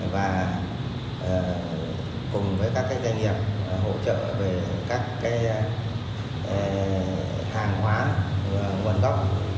và cùng với các doanh nghiệp hỗ trợ về các hàng hóa nguồn gốc